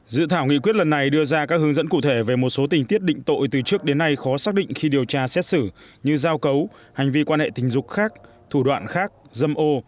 dự thảo nghị quyết lần này đưa ra các hướng dẫn cụ thể về một số tình tiết định tội từ trước đến nay khó xác định khi điều tra xét xử như giao cấu hành vi quan hệ tình dục khác thủ đoạn khác dâm ô